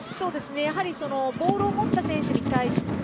やはりボールを持った選手に対して。